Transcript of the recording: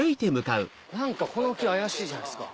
何かこの木怪しいじゃないですか。